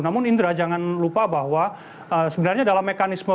namun indra jangan lupa bahwa sebenarnya dalam mekanisme